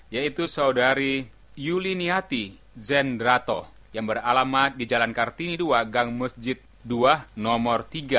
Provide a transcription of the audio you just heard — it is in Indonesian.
yaitu saudari yuli niyati zendrato yang beralamat di jalan kartini dua gang masjid dua nomor tiga